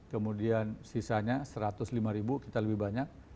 kemudian sisanya satu ratus lima ribu kita lebih banyak